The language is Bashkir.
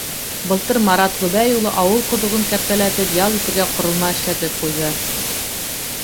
Былтыр Марат Ғөбәй улы ауыл ҡоҙоғон кәртәләтеп, ял итергә ҡоролма эшләтеп ҡуйҙы.